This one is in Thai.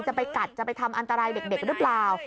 จะไปกัดจะไปทำอันตรายเด็กหรือเปล่า